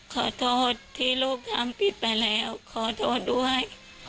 ขอโทษที่ลูกทำผิดไปแล้วขอโทษด้วย